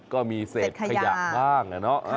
ก็มีเศษขยะบ้าง